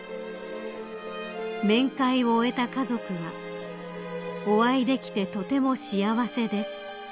［面会を終えた家族は「お会いできてとても幸せです」